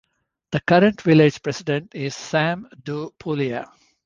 The current Village President is Sam D. Pulia.